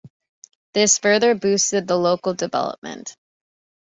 This further boosted the local development.